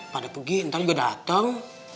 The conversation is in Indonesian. pada pagi ntar gue datang